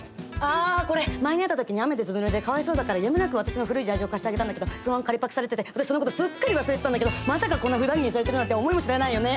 あこれ前に会った時に雨でずぶぬれでかわいそうだからやむなく私の古いジャージを貸してあげたんだけどそのまま借りパクされてて私そのことすっかり忘れてたんだけどまさかこんなふだん着にされてるなんて思いもしないよね。